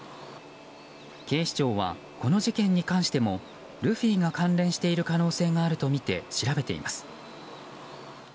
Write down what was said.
警視庁は、この事件に関してもルフィが関連している可能性があるとみて調べています。